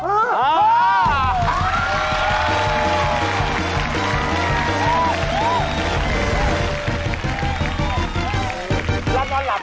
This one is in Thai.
แล้วนอนหลับไหม